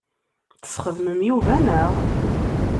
Tesxedmem Yuba, naɣ?